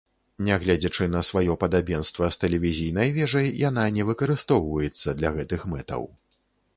Нягледзячы на сваё падабенства з тэлевізійнай вежай, яна не выкарыстоўваецца для гэтых мэтаў.